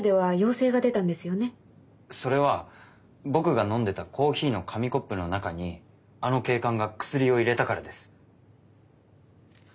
それは僕が飲んでたコーヒーの紙コップの中にあの警官がクスリを入れたからです。